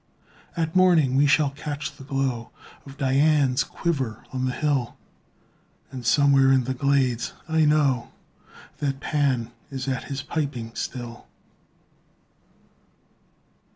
At morning we shall catch the glow Of Dian's quiver on the hill, And somewhere in the glades I know That Pan is at his piping still.